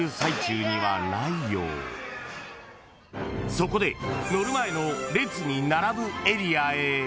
［そこで乗る前の列に並ぶエリアへ］